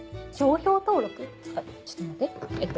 あっちょっと待ってえっと。